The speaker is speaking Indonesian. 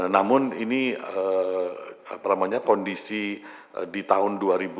namun ini kondisi di tahun dua ribu dua puluh